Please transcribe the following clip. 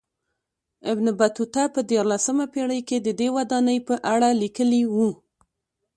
ابن بطوطه په دیارلسمه پېړۍ کې ددې ودانۍ په اړه لیکلي و.